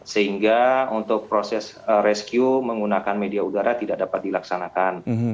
sehingga untuk proses rescue menggunakan media udara tidak dapat dilaksanakan